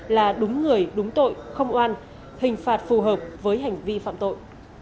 là đúng người đúng tội không oan hình phạt phù hợp với hành vi phạm tội